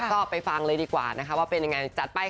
ก็ไปฟังเลยดีกว่านะคะว่าเป็นยังไงจัดไป